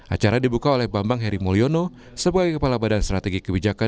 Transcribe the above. acara dibuka oleh bambang heri mulyono sebagai kepala badan strategi kebijakan